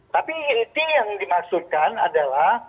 tapi itu yang dimaksudkan adalah